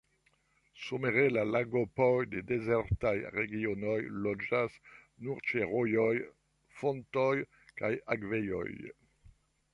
Somere la lagopoj de dezertaj regionoj loĝas nur ĉe rojoj, fontoj kaj akvejoj.